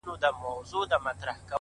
د هغه هر وخت د ښکلا خبر په لپه کي دي;